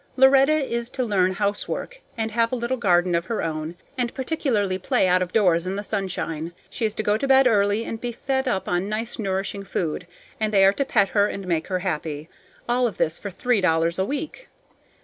Loretta is to learn housework and have a little garden of her own, and particularly play out of doors in the sunshine. She is to go to bed early and be fed up on nice nourishing food, and they are to pet her and make her happy. All this for three dollars a week!